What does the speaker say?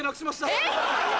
・えっ？